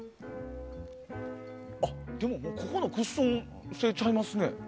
あっでも、ここのクッション性ちゃいますね。